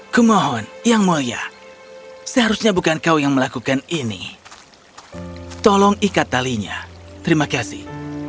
kumohon yang mulia seharusnya bukan kau yang melakukan ini tolong ikat talinya terima kasih